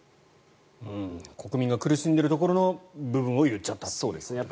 国民が苦しんでいるところの部分を言っちゃったということですよね。